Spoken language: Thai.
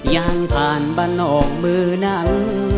ยังผ่านบรรองมือนั่น